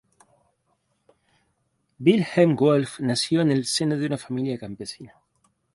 Wilhelm Wolff nació en el seno de una familia campesina.